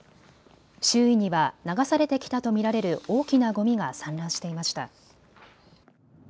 周囲には流されてきたと見られる大きなごみが散乱していました。